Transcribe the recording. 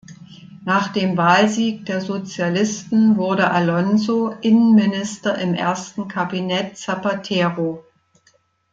Nach dem Wahlsieg der Sozialisten wurde Alonso Innenminister im ersten Kabinett Zapatero.